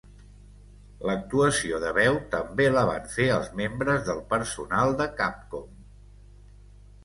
L'actuació de veu també la van fer els membres del personal de Capcom.